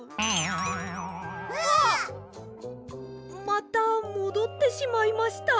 またもどってしまいました。